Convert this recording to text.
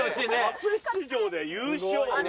初出場で優勝。